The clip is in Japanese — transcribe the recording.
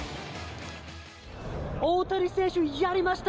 大谷選手やりました。